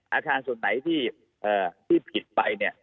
อาคารส่วนไหนที่ผิดไปเนี่ย